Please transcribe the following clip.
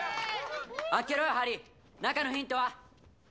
開けろよハリー中のヒントは？